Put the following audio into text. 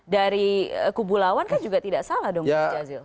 dari kubu lawan kan juga tidak salah dong gus jazil